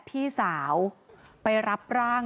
ปี๖๕วันเช่นเดียวกัน